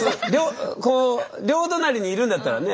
こう両隣にいるんだったらね。